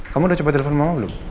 kamu udah cepat telepon mama belum